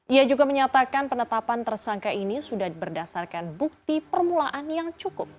ia juga menyatakan penetapan tersangka ini sudah berdasarkan bukti permulaan yang cukup